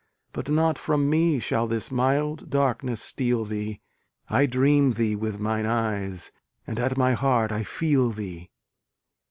But not from me shall this mild darkness steal thee: I dream thee with mine eyes, and at my heart I feel thee!